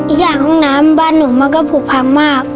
อีกอย่างห้องน้ำบ้านหนูมันก็ผูกพังมาก